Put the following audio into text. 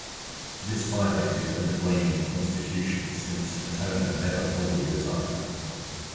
This violated the Lithuanian constitution, since Smetona never formally resigned.